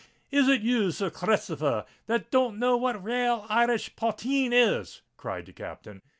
"Is it you, Sir r Christopher, that don't know what rale Irish potheen is?" cried the Captain.